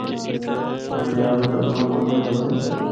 جِڑّی عام ڈریوراں کول نیں ہوندی۔